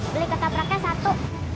beli kata praknya satu